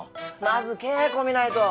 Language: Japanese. まず稽古見ないと。